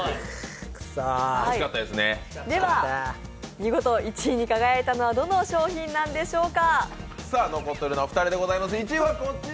見事１位に輝いたのはどの商品なんでしょうか？